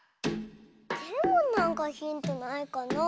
でもなんかヒントないかなあ。